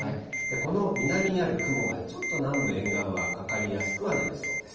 この南にある雲がちょっと南部沿岸はかかりやすくはなりそうです。